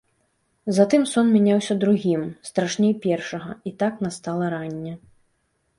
Затым сон мяняўся другім, страшней першага, і так настала ранне.